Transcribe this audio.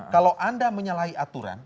kalau anda menyalahi aturan